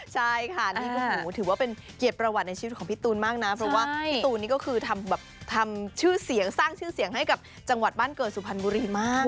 ใช่ค่ะนี่ก็ถือว่าเป็นเกียรติประวัติในชีวิตของพี่ตูนมากนะเพราะว่าพี่ตูนนี่ก็คือทำแบบทำชื่อเสียงสร้างชื่อเสียงให้กับจังหวัดบ้านเกิดสุพรรณบุรีมาก